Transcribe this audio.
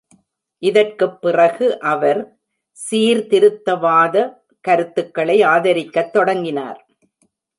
இதற்குப் பிறகு அவர் "சீர்திருத்தவாத" கருத்துக்களை ஆதரிக்கத் தொடங்கினார்.